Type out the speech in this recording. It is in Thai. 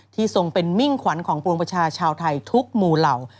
ที่ทรวงเป็นมิ้งส์ขวัญของโปรโลกประชาชาวไทยทุกมูเหล่า